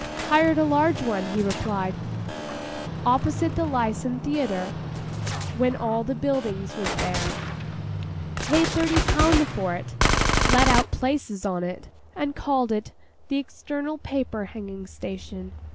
'Hired a large one,' he replied, 'opposite the Lyceum Theatre, when the buildings was there. Paid thirty pound for it; let out places on it, and called it "The External Paper Hanging Station."